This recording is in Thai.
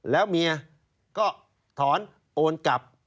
แล้วเมียก็ถอนโอนกลับ